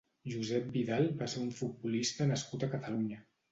Josep Vidal va ser un futbolista nascut a Catalunya.